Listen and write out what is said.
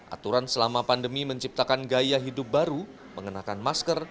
aturan selama pandemi menciptakan gaya hidup baru mengenakan masker